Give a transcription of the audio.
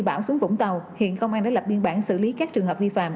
bão xuống vũng tàu hiện công an đã lập biên bản xử lý các trường hợp vi phạm